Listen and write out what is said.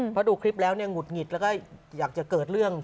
เพราะดูคลิปแล้วเนี่ยหงุดหงิดแล้วก็อยากจะเกิดเรื่อง